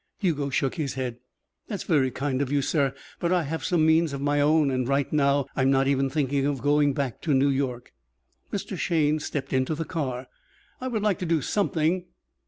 Hugo shook his head. "That's very kind of you, sir. But I have some means of my own and, right now, I'm not even thinking of going back to New York." Mr. Shayne stepped into the car. "I would like to do something."